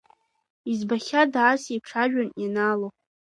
Избахьада ас еиԥш ажәҩан ианаало.